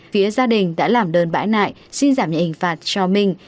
phía gia đình đã làm đơn bãi nại xin giảm nhẹ hình phạt cho minh